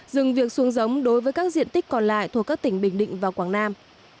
dừng việc xuống giống đối với các diện tích còn lại thuộc các tỉnh bình định và quảng nam